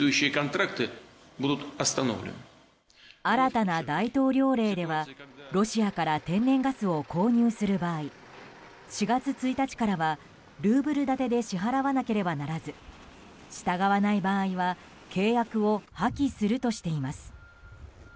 新たな大統領令ではロシアから天然ガスを購入する場合４月１日からはルーブル建てで支払わなければならず従わない場合は契約を破棄するとしています。